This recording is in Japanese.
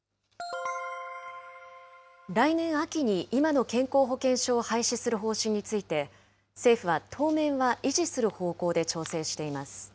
来年秋に今の健康保険証を廃止する方針について、政府は当面は維持する方向で調整しています。